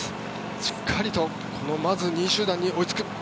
しっかりとまず２位集団に追いつく。